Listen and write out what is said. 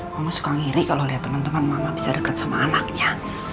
mama suka ngiri kalo liat temen temen mama bisa deket sama anaknya